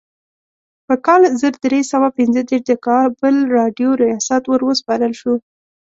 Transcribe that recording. په کال زر درې سوه پنځه دیرش د کابل راډیو ریاست وروسپارل شو.